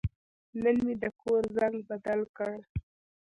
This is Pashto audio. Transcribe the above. نن مې د کور زنګ بدل کړ.